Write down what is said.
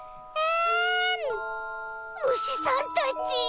むしさんたち。